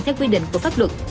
các quy định của pháp luật